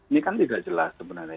ini kan tidak jelas sebenarnya